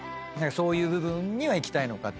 そういう部分には行きたいのか。